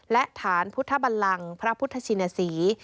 และฐานพุทธบันลังพระพุทธชินศรี